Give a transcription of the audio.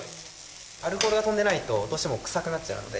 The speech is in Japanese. アルコールが飛んでないとどうしても臭くなっちゃうので。